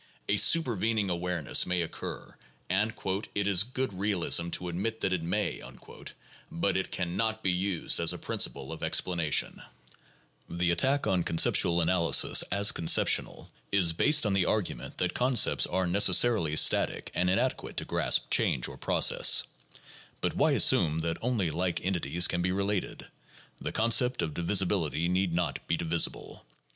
A supervening awareness may occur, and "it is good realism to admit that it may, '' but it can not be used as a principle of explanation. The attack on conceptual analysis as conceptional, is based on the ""Creative Evolution," pages 11, 162, 188, 338, 340. 206 THE JOURNAL OF PHILOSOPHY argument that concepts are necessarily static and inadequate to grasp change or process. But why assume that only like entities can be related? The concept of divisibility need not be divisible.